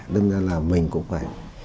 đông ra là mình cũng phải